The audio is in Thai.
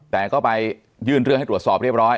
แต่ก็ไปยื่นเรื่องให้ตรวจสอบเรียบร้อย